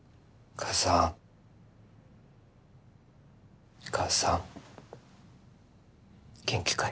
母さん元気かい？